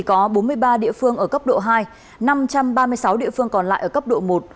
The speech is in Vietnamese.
có bốn mươi ba địa phương ở cấp độ hai năm trăm ba mươi sáu địa phương còn lại ở cấp độ một